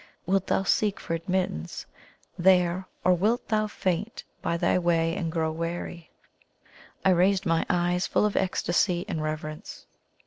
Wilt thou seek for admittance there or wilt thou faint by the way and grow weary?" I raised my eyes full of ecstasy and reverence.